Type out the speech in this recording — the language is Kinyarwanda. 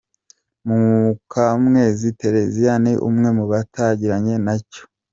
Mukamwezi Therese ni umwe mu batangiranye nacyo.